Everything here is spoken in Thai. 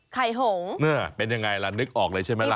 หงเนี่ยเป็นยังไงล่ะนึกออกเลยใช่ไหมล่ะ